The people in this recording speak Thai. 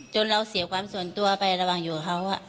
เราเสียความส่วนตัวไประหว่างอยู่กับเขา